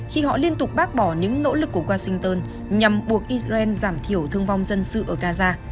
khi họ liên tục bác bỏ những nỗ lực của washington nhằm buộc israel giảm thiểu thương vong dân sự ở gaza